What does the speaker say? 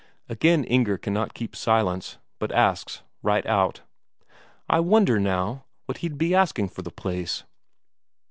Again Inger cannot keep silence, but asks right out: "I wonder, now, what he'd be asking for the place?"